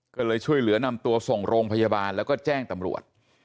ก็เลยช่วยเหลือนำตัวส่งโรงพยาบาลแล้วก็แจ้งตำรวจ